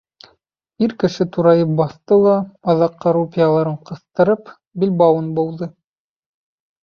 Ир кеше турайып баҫты ла, аҙаҡҡы рупияларын ҡыҫтырып, билбауын быуҙы.